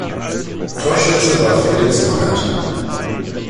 Torschütze war Felix Magath.